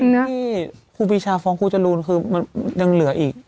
นี่คู่พิชาฟองคู่จรูนคือมันยังเหลืออีก